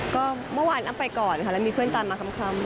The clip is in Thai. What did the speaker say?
ก็เมื่อวานอ้ำไปก่อนค่ะแล้วมีเพื่อนตามมาค่ำ